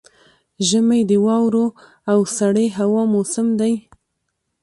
ژمی د واورو او سړې هوا موسم دی.